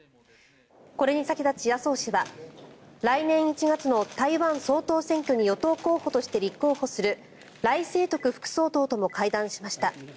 これに先立ち麻生氏は来年１月の台湾総統選挙に与党候補として立候補する頼清徳副総統とも会談しました。